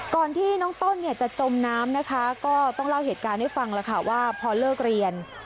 ก่อนที่น้องต้นเนี่ยจะจมน้ำนะคะก็ต้องเล่าเหตุการณ์ให้ฟังแล้วค่ะว่าพอเลิกเรียน